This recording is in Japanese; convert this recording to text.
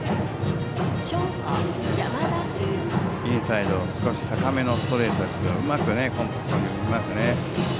インサイド少し高めのストレートですけどうまくコンパクトに振りましたね。